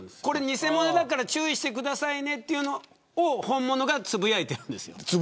偽物だから注意してくださいというのを本物がつぶやいてるんです。